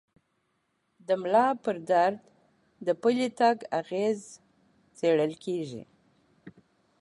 د ملا پر درد د پلي تګ اغېز څېړل کېږي.